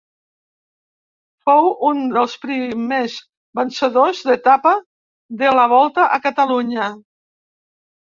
Fou un dels primers vencedors d'etapa de la Volta a Catalunya.